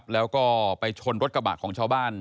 แล้วก็ไปชนรถกระบะของชาวบ้าน